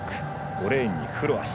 ５レーンにフロアス。